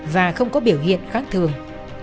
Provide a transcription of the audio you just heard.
và không có biểu hiện khác thường